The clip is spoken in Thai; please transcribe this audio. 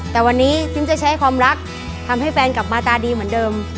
แต่วันนี้ซิมจะใช้ความรักทำให้แฟนกลับมาตาดีเหมือนเดิม